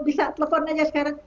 bisa telepon aja sekarang